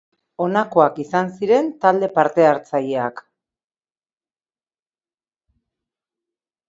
Honakoak izan ziren talde parte-hartzaileak.